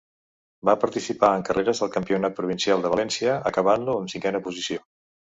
Va participar en carreres del Campionat Provincial de València, acabant-lo en cinquena posició.